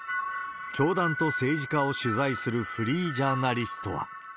教団と政治家を取材するフリージャーナリストは。